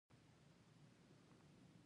تیودوروس د دولت م وډرنیزه کول پیل کړل.